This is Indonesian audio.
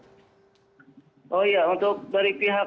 oh iya untuk dari pihak